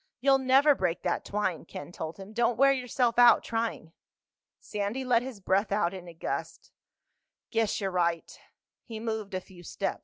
"You'll never break that twine," Ken told him. "Don't wear yourself out trying." Sandy let his breath out in a gust. "Guess you're right." He moved a few steps.